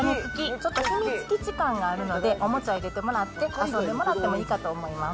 ちょっと秘密基地感があるので、おもちゃ入れてもらって遊んでもらってもいいかと思います。